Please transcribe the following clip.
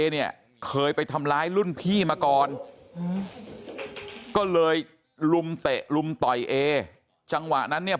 เนี่ยเคยไปทำร้ายรุ่นพี่มาก่อนก็เลยลุมเตะลุมต่อยเอจังหวะนั้นเนี่ย